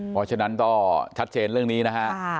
เพราะฉะนั้นก็ชัดเจนเรื่องนี้นะฮะ